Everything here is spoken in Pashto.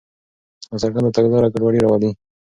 ناڅرګنده تګلاره ګډوډي راولي.